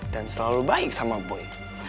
dan selalu baik sama boy